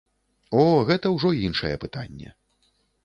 О, гэта ўжо іншае пытанне.